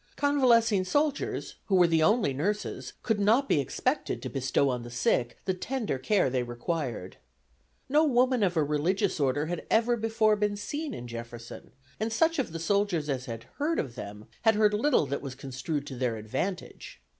Convalescing soldiers, who were the only nurses, could not be expected to bestow on the sick the tender care they required. No woman of a religious order had ever before been seen in Jefferson, and such of the soldiers as had heard of them had heard little that was construed to their advantage.